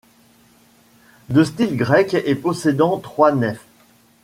De style grec et possédant trois nefs.